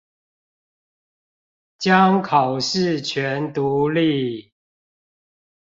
將考試權獨立